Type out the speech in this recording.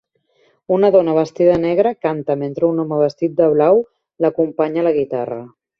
Una dona vestida de negre canta mentre un home vestit de blau l'acompanya a la guitarra.